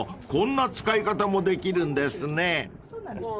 こんな使い方もできるんですね］